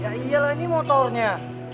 ya iyalah ini motornya